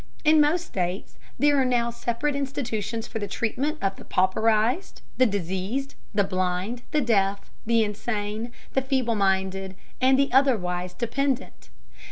In most states there are now separate institutions for the treatment of the pauperized, the diseased, the blind, the deaf, the insane, the feeble minded, and the otherwise dependent.